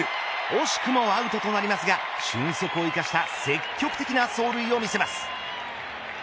惜しくもアウトとなりますが俊足を生かした積極的な走塁を見せます。